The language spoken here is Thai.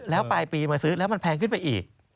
แล้วปลายปีมาซื้อแล้วมันแพงขึ้นไปอีก